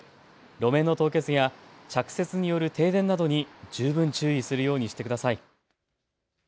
路面の凍結や着雪による停電などに十分注意するようにしてください。